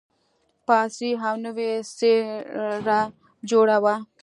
په عصري او نوې څېره جوړه وه.